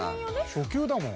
初級だもん。